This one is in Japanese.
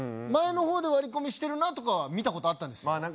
前の方で割り込みしてるなとかは見たことあったんですよ